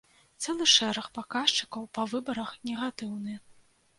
Цэлы шэраг паказчыкаў па выбарах негатыўны.